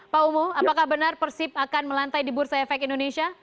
pak umu apakah benar persib akan melantai di bursa efek indonesia